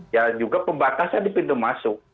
ya juga pembatasan di pintu masuk